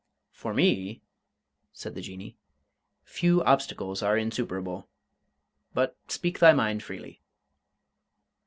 "For me," said the Jinnee, "few obstacles are insuperable. But speak thy mind freely."